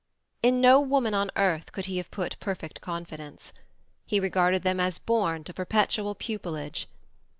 In no woman on earth could he have put perfect confidence. He regarded them as born to perpetual pupilage.